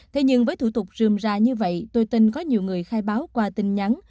thế nhưng với thủ tục rườm ra như vậy tôi tin có nhiều người khai báo qua tình nhắn